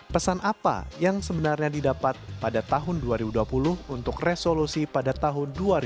pesan apa yang sebenarnya didapat pada tahun dua ribu dua puluh untuk resolusi pada tahun dua ribu dua puluh